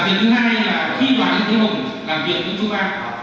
và thứ hai là khi đoán cho thế hùng làm việc với chúa ba